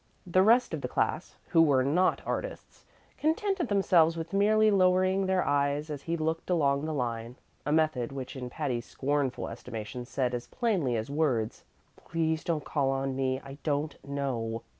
The rest of the class, who were not artists, contented themselves with merely lowering their eyes as he looked along the line a method which in Patty's scornful estimation said as plainly as words, "Please don't call on me; I don't know."